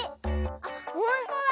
あっほんとだ！